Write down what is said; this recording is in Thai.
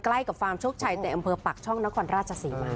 ใกล้กับฟาร์มชุกชัยแต่อำเภอปรักษ์ช่องนครราชศรีมาก